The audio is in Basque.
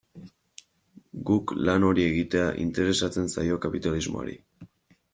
Guk lan hori egitea interesatzen zaio kapitalismoari.